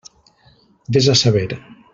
Vés a saber.